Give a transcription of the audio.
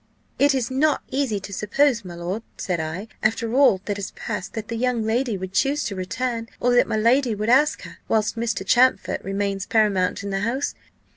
"'It is not easy to suppose, my lord,' said I, 'after all that has passed, that the young lady would choose to return, or that my lady would ask her, whilst Mr. Champfort remains paramount in the house.